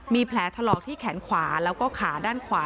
มีแผลถลอกที่แขนขวาแล้วก็ขาด้านขวา